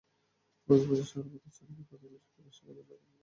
কক্সবাজার শহরের প্রধান সড়কে গতকাল শনিবার সকালে লাঠি মিছিল করে প্রীতিলতা ব্রিগেড।